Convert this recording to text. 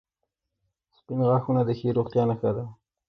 • سپین غاښونه د ښې روغتیا نښه ده.